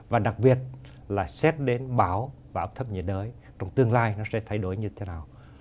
và đặc biệt là xét đến bão và áp thấp nhiệt đới trong tương lai nó sẽ thay đổi như thế nào